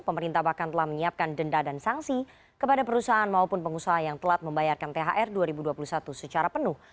pemerintah bahkan telah menyiapkan denda dan sanksi kepada perusahaan maupun pengusaha yang telat membayarkan thr dua ribu dua puluh satu secara penuh